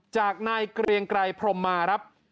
จากนายเกรียงไกรพรมมาครับ